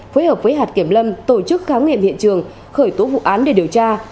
phối hợp với hạt kiểm lâm tổ chức khám nghiệm hiện trường khởi tố vụ án để điều tra